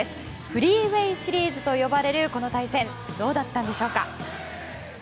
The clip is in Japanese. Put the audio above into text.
フリーウェー・シリーズと呼ばれる、この対戦どうだったんでしょうか。